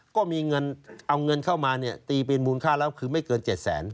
ก็มีเงินเอาเงินเข้ามาเนี่ยตีเป็นมูลค่าแล้วคือไม่เกิน๗แสน